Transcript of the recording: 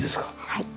はい。